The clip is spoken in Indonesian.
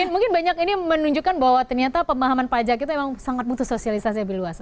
mungkin banyak ini menunjukkan bahwa ternyata pemahaman pajak itu memang sangat butuh sosialisasi lebih luas